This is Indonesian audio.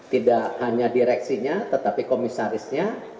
tidak hanya direksinya tetapi komisarisnya